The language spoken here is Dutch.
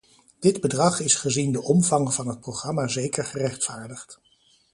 Dit bedrag is gezien de omvang van het programma zeker gerechtvaardigd.